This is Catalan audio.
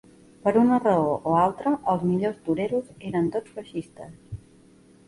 Per una raó o altra, els millors toreros eren tots feixistes.